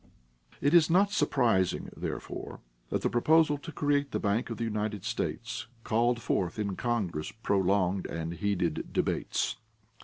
It is not surprising, therefore, that the proposal to create the Bank of the United States called forth in Congress prolonged and heated debates.